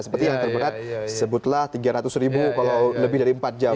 seperti yang terberat sebutlah tiga ratus ribu kalau lebih dari empat jam